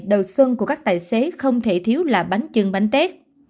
đầu xuân của các tài xế không thể thiếu là bánh chừng bánh tét